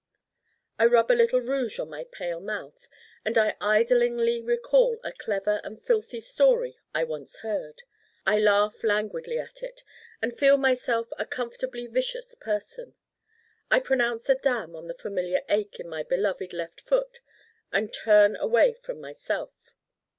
I rub a little rouge on my pale mouth and I idlingly recall a clever and filthy story I once heard. I laugh languidly at it and feel myself a comfortably vicious person. I pronounce a damn on the familiar ache in my beloved left foot and turn away from myself.